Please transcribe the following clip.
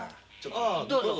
ああどうぞ。